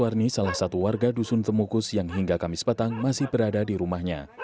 warni salah satu warga dusun temukus yang hingga kamis petang masih berada di rumahnya